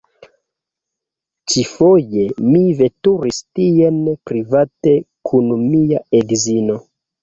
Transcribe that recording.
Ĉifoje, mi veturis tien private kun mia edzino.